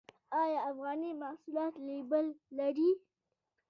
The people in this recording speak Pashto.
آیا افغاني محصولات لیبل لري؟